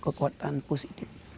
satu kekuatan positif